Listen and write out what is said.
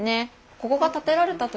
ここが建てられた時